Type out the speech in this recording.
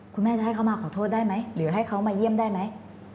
คุณแม่จะให้เขามาขอโทษได้ไหมหรือให้เขามาเยี่ยมได้ไหม